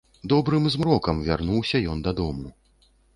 Добрым змрокам вярнуўся ён дадому.